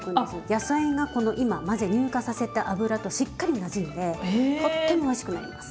野菜がこの今混ぜ乳化させた油としっかりなじんでとってもおいしくなります。